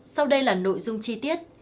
sau đây là nội dung chi tiết